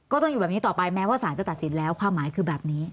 ต้องอยู่แบบนี้ต่อไปแม้ว่าสารจะตัดสินแล้วความหมายคือแบบนี้